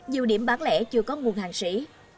nhiều điểm bán lẻ chưa có nguồn hàng sỉ